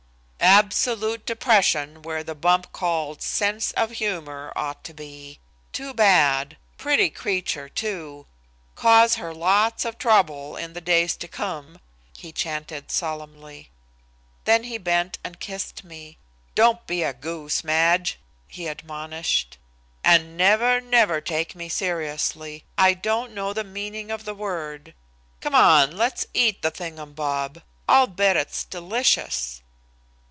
"Absolute depression where the bump called 'sense of humor' ought to be. Too bad! Pretty creature, too. Cause her lots of trouble, in the days to come," he chanted solemnly. Then he bent and kissed me. "Don't be a goose, Madge," he admonished, "and never, never take me seriously. I don't know the meaning of the word. Come on, let's eat the thing um bob. I'll bet it's delicious."